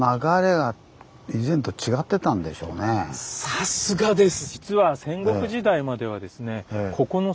さすがです！